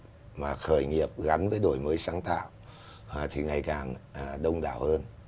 thứ ba là số lượng doanh nghiệp khởi nghiệp gắn với đổi mới sáng tạo thì ngày càng đông đảo hơn